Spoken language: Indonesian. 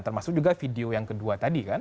termasuk juga video yang kedua tadi kan